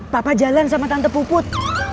papa jalan sama tante puput